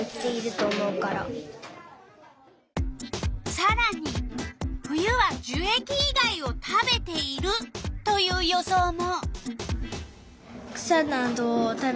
さらに冬は「じゅえき以外を食べている」という予想も。